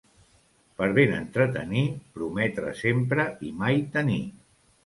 Per ben entretenir, prometre sempre i mai tenir.